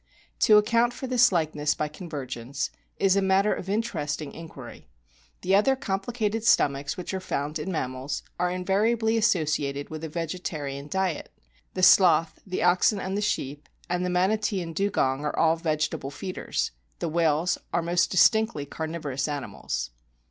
To account for this likeness by convergence is a matter of interesting inquiry. The other com plicated stomachs which are found in mammals are invariably associated with a vegetarian diet. The Sloth, the Oxen and Sheep, and the Manatee and Dugong are all vegetable feeders. The whales are most distinctly carnivorous animals.